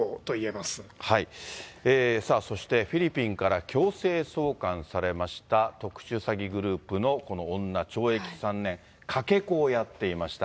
さあ、そしてフィリピンから強制送還されました特殊詐欺グループのこの女、懲役３年、かけ子をやっていました。